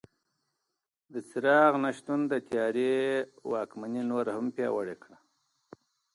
د څراغ نه شتون د تیارې واکمني نوره هم پیاوړې کړه.